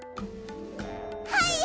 はい！